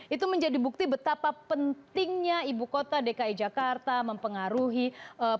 itu menjadi bukti betapa pentingnya ibu kota dki jakarta mempengaruhi